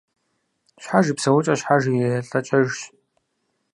Щхьэж и псэукӏэ щхьэж и лӏэкӏэжщ.